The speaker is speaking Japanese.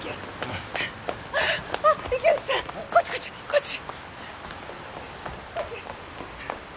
こっち。